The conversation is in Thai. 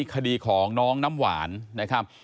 คดีของน้องน้ำหวานนะครับ